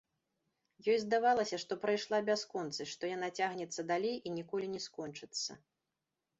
Ёй здавалася, што прайшла бясконцасць, што яна цягнецца далей і ніколі не скончыцца.